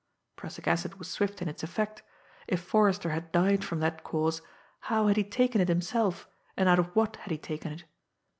Prussic acid was swift in its effect. If Forrester had died from that cause, how had he taken it himself, and out of what had he taken it?